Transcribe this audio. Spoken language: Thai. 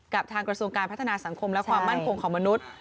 ทางกระทรวงการพัฒนาสังคมและความมั่นคงของมนุษย์